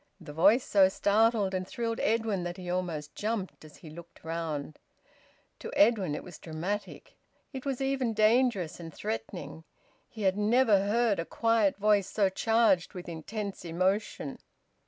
The voice so startled and thrilled Edwin that he almost jumped, as he looked round. To Edwin it was dramatic; it was even dangerous and threatening. He had never heard a quiet voice so charged with intense emotion.